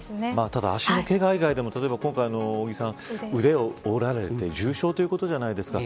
ただ、足のけが以外でも尾木さん、今回、腕を折られて重傷ということじゃないですか。